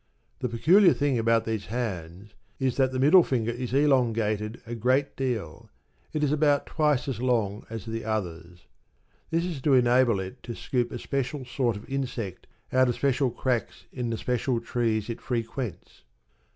The peculiar thing about these hands is that the middle finger is elongated a great deal it is about twice as long as the others. This is to enable it to scoop a special sort of insect out of special cracks in the special trees it frequents.